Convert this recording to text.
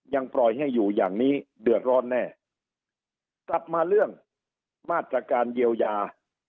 ยังปล่อยให้อยู่อย่างนี้เดือดร้อนแน่กลับมาเรื่องมาตรการเยียวยา